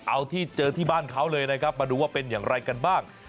เอาที่เจอที่บ้านเขาเลยนะครับมาดูว่าเป็นอย่างไรกันบ้าง